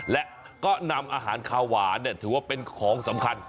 และก็นำอาหารคาหวานถือว่าเป็นของสำคัญ